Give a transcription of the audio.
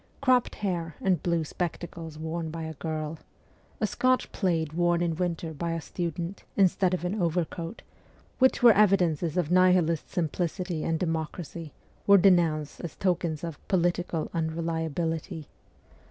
Cropped hair and blue spectacles worn by a girl, a Scotch plaid worn in winter by a student, instead of an overcoat, which were evidences of Nihilist simplicity and democracy, were denounced as tokens of ' political unreliability.'